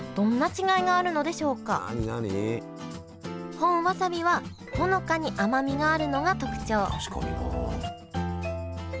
本わさびはほのかに甘みがあるのが特徴確かになあ。